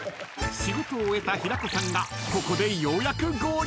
［仕事を終えた平子さんがここでようやく合流］